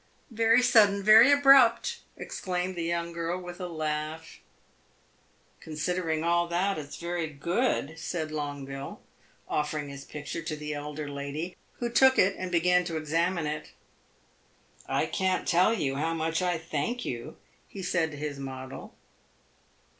"Very sudden very abrupt!" exclaimed the young girl with a laugh. "Considering all that, it 's very good," said Longueville, offering his picture to the elder lady, who took it and began to examine it. "I can't tell you how much I thank you," he said to his model.